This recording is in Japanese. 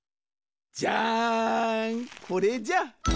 じゃんこれじゃ。